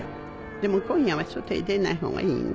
でも今夜は外へ出ないほうがいいね。